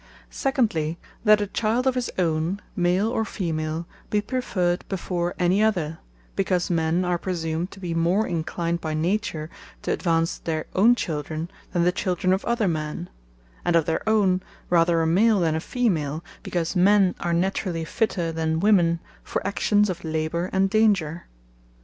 Secondly, that a Child of his own, Male, or Female, be preferred before any other; because men are presumed to be more enclined by nature, to advance their own children, than the children of other men; and of their own, rather a Male than a Female; because men, are naturally fitter than women, for actions of labour and danger.